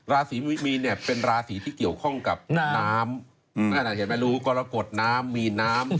ราศีมิมีนเนี่ยเป็นราศีที่เกี่ยวข้องกับน้ำนั่นเห็นไหมรู้กรกฎน้ำมีน้ำ